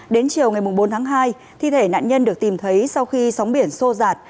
đến chiều ngày bốn tháng hai thi thể nạn nhân được tìm thấy sau khi sóng biển sô rạt